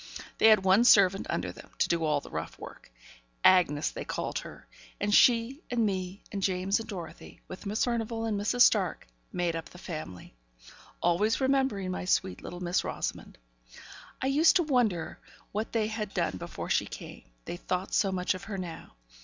They had one servant under them, to do all the rough work. Agnes they called her; and she and me, and James and Dorothy, with Miss Furnivall and Mrs. Stark, made up the family; always remembering my sweet little Miss Rosamond! I used to wonder what they had done before she came, they thought so much of her now.